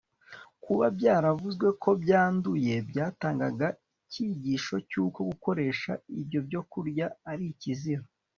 kuba byaravuzwe ko byanduye byatangaga icyigisho cy'uko gukoresha ibyo byokurya ari ikizira